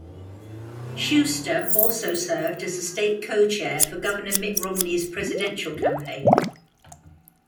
Shuster also served as a state co-chair for Governor Mitt Romney's Presidential campaign.